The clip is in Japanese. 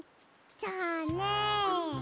じゃあね。